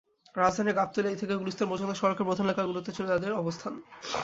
রাজধানীর গাবতলী থেকে গুলিস্তান পর্যন্ত সড়কের প্রধান এলাকাগুলোতে ছিল তাঁদের অবস্থান।